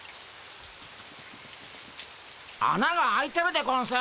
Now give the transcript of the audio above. あなが開いてるでゴンス。